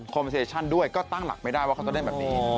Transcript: เซชั่นด้วยก็ตั้งหลักไม่ได้ว่าเขาจะเล่นแบบนี้